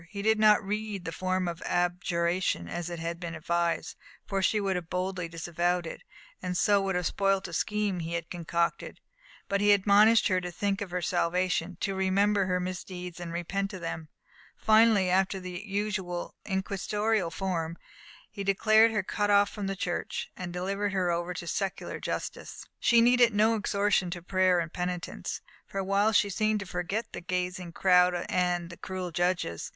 He did not read the form of abjuration, as had been advised, for she would have boldly disavowed it, and would so have spoilt a scheme he had concocted. But he admonished her to think of her salvation, to remember her misdeeds, and repent of them. Finally, after the usual inquisitorial form, he declared her cut off from the Church, and delivered over to secular justice. She needed no exhortation to prayer and penitence. For a while she seemed to forget the gazing crowd and the cruel judges.